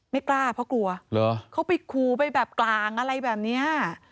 ไม่กล้าเพราะกลัวเขาไปคูไปแบบกลางอะไรแบบนี้